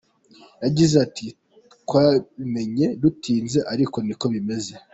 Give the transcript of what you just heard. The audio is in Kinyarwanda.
Yagize ati “Twabimenye dutinze ariko niko bimeze.